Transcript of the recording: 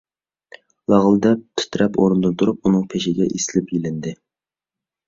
لاغىلداپ تىترەپ، ئورنىدىن تۇرۇپ ئۇنىڭ پېشىگە ئېسىلىپ يېلىندى.